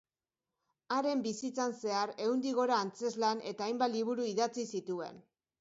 Haren bizitzan zehar, ehundik gora antzezlan eta hainbat liburu idatzi zituen.